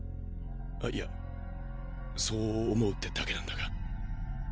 あイヤそう思うってだけなんだが。